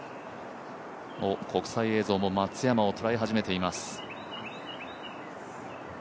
国際映像も松山を捉え始めています。